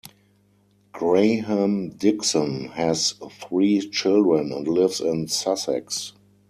Graham-Dixon has three children and lives in Sussex.